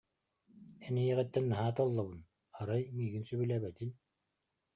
Эн ийэҕиттэн наһаа толлобун, арай, миигин сөбүлээбэтин